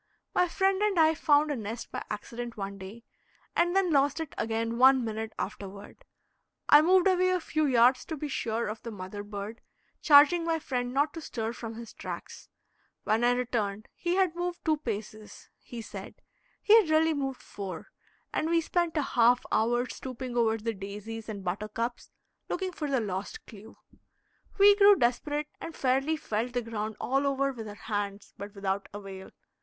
My friend and I found a nest by accident one day, and then lost it again one minute afterward. I moved away a few yards to be sure of the mother bird, charging my friend not to stir from his tracks. When I returned, he had moved two paces, he said (he had really moved four), and we spent a half hour stooping over the daisies and the buttercups, looking for the lost clew. We grew desperate, and fairly felt the ground all over with our hands, but without avail.